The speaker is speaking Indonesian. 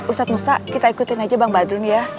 ustadz musa kita ikutin aja bang badrun ya